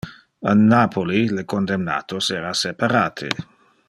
A Napoli le condemnatos era separate.